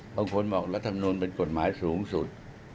บางคนบอกรัฐมนุนเป็นกฎหมายสูงสุด